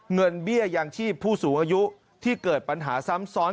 เบี้ยยังชีพผู้สูงอายุที่เกิดปัญหาซ้ำซ้อน